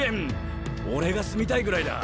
俺が住みたいぐらいだ！